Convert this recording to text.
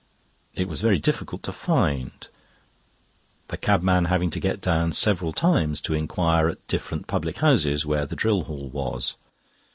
It was very difficult to find—the cabman having to get down several times to inquire at different public houses where the Drill Hall was.